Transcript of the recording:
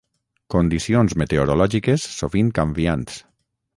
condicions meteorològiques sovint canviants